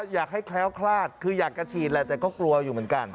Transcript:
อยากให้แคล้วคลาดคืออยากจะฉีดแต่ก็กลัวอยู่เหมือนกัน